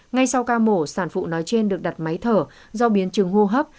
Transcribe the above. ngay sau ca mổ sản phụ nói trên được đặt máy thở do biến chứng hô hấp